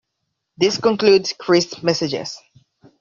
This concludes Christ's message.